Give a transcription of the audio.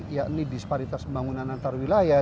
yakni disparitas pembangunan antar wilayah